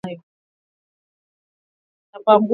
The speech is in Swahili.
Kufokea mtoto kila saha nikumupa kichwa nguvu